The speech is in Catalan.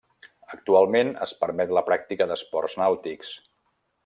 Actualment, es permet la pràctica d'esports nàutics.